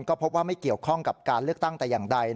ก็พบว่าไม่เกี่ยวข้องกับการเลือกตั้งแต่อย่างใด